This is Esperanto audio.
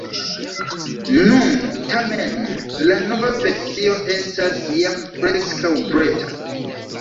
Nun tamen la nova versio estas jam preskaŭ preta.